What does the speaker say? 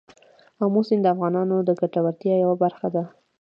آمو سیند د افغانانو د ګټورتیا یوه برخه ده.